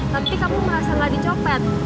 tapi kamu merasa lagi copet